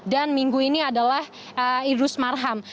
dan minggu ini adalah idrus marham